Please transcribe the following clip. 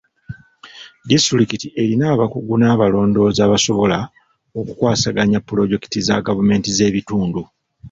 Disitulikiti erina abakugu n'abalondoozi abasobola okukwasaganya puloojekiti za gavumenti z'ebitundu.